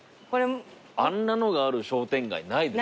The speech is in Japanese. あんなのがある商店街ないです。